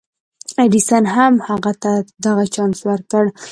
ايډېسن هم هغه ته دغه چانس ورکړ.